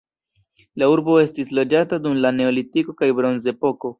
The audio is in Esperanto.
La urbo estis loĝata dum la neolitiko kaj bronzepoko.